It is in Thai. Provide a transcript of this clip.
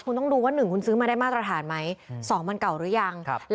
๑คุณซื้อมาได้มาตรฐานไหม๒มันเก่าหรือยัง